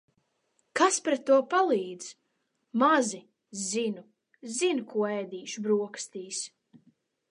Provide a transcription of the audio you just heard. Kas pret to palīdz? Mazi "zinu". Zinu, ko ēdīšu brokastīs.